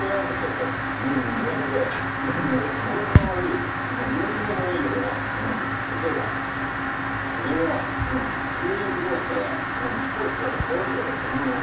その代わりグネグネのいいのは例えばこれがこういう所だったらしっかりしてたらこうなっちゃうじゃないですか。